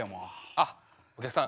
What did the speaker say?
あっお客さん